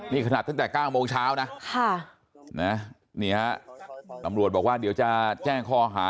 นี่ขนาดตั้งแต่๙โมงเช้านะนี่ฮะตำรวจบอกว่าเดี๋ยวจะแจ้งข้อหา